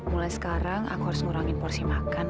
mulai sekarang aku harus ngurangin porsi makan